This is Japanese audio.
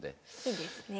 いいですね。